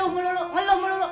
ngeluluk ngeluluk ngeluluk